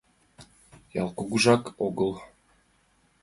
Ял кугужак огыл.